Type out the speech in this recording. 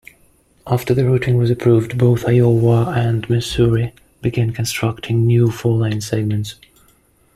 After the routing was approved, both Iowa and Missouri began constructing new four-lane segments.